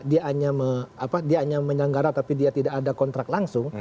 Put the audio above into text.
dia hanya menyanggara tapi dia tidak ada kontrak langsung